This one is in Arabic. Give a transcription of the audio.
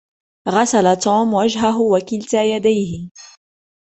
غسل توم وجهه وكلتا يديه.